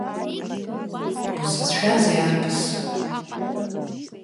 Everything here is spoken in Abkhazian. Узыцәшәазеи, арԥыс?